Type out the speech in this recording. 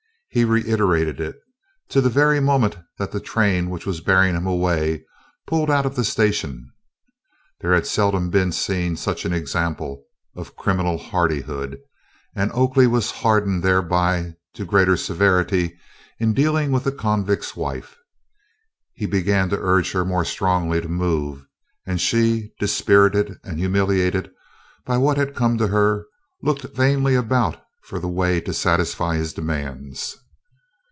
He reiterated it to the very moment that the train which was bearing him away pulled out of the station. There had seldom been seen such an example of criminal hardihood, and Oakley was hardened thereby to greater severity in dealing with the convict's wife. He began to urge her more strongly to move, and she, dispirited and humiliated by what had come to her, looked vainly about for the way to satisfy his demands.